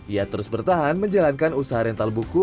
ia terus bertahan menjalankan usaha rental buku